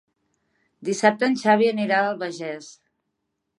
Dissabte en Xavi anirà a l'Albagés.